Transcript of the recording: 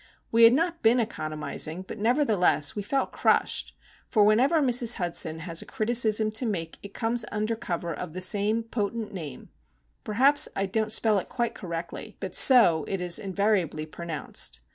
We had not been economising, but nevertheless we felt crushed; for whenever Mrs. Hudson has a criticism to make it comes under cover of the same potent Name,—perhaps I don't spell it quite correctly, but so it is invariably pronounced.